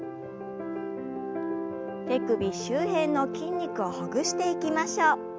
手首周辺の筋肉をほぐしていきましょう。